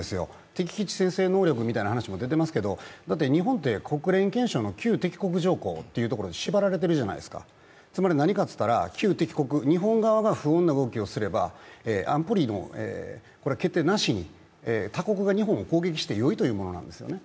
敵基地先制能力みたいなことも出ていますがだって日本って国連条項の旧敵国条項っていうのに縛られてるじゃないですか、何かというと旧敵国、日本側が不穏な動きをすれば安保理の決定なしに他国が日本を攻撃してよいというものなんですよね。